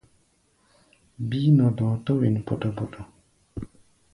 Bíí nɔ́ dɔ̧ɔ̧, tɔ̧́ wen pɔtɔ-pɔtɔ.